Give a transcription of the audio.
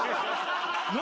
何？